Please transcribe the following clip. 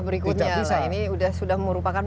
berikutnya ini sudah merupakan